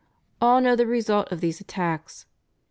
All know the result of these attacks.